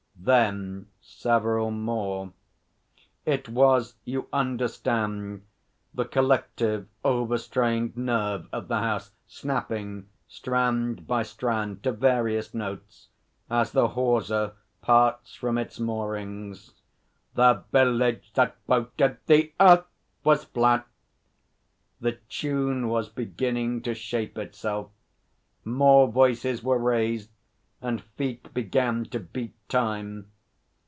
Then several more. It was, you understand, the collective, overstrained nerve of the House, snapping, strand by strand to various notes, as the hawser parts from its moorings. 'The Village that voted the Earth was flat.' The tune was beginning to shape itself. More voices were raised and feet began to beat time.